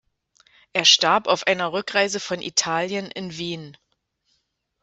Er starb auf einer Rückreise von Italien in Wien.